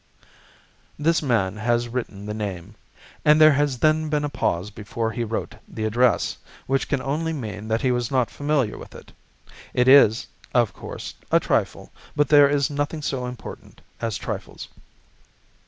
This man has written the name, and there has then been a pause before he wrote the address, which can only mean that he was not familiar with it. It is, of course, a trifle, but there is nothing so important as trifles.